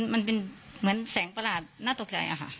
มันเป็นเหมือนแสงประหลาดน่าตกใจค่ะ